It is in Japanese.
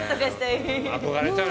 憧れちゃうよ。